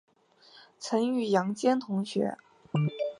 曾与杨坚同学。